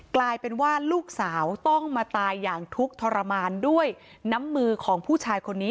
กลายเป็นว่าลูกสาวต้องมาตายอย่างทุกข์ทรมานด้วยน้ำมือของผู้ชายคนนี้